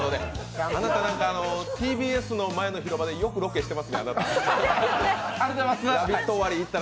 あなたＴＢＳの前の広場でよくロケしてますね。